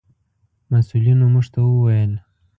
مسؤلینو موږ ته و ویل: